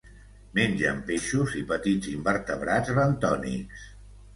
Mengen peixos i petits invertebrats bentònics.